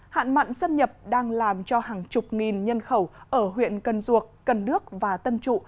hạn mặn xâm nhập đang làm cho hàng chục nghìn nhân khẩu ở huyện cần duộc cần đước và tân trụ